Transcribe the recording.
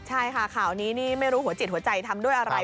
ใช่ค่ะข่าวนี้นี่ไม่รู้หัวจิตหัวใจทำด้วยอะไร